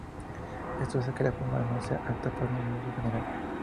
Esto hace que la fórmula no sea apta para un uso general.